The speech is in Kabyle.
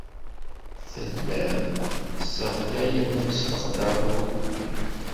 Tellam tesseɣlayem s leqder-nwen.